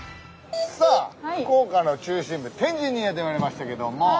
さあ福岡の中心部天神にやってまいりましたけども。